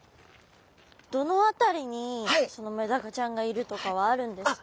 どのあたりにメダカちゃんがいるとかはあるんですか？